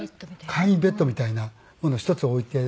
簡易ベッドみたいなものを一つ置いて。